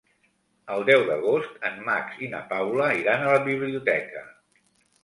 El deu d'agost en Max i na Paula iran a la biblioteca.